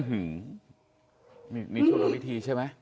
อื้อหือนี่ช่วงเวลาพิธีใช่ไหม